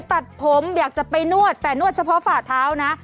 ตัดผมอยากจะไปนวดแต่นวดเฉพาะฝ่าเท้านะ